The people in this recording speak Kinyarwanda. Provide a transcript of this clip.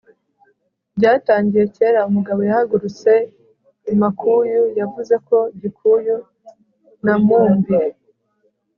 byatangiye kera. umugabo yahagurutse i makuyu. yavuze ko gikuyu na mumbi